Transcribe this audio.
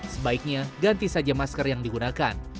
sebaiknya ganti saja masker yang digunakan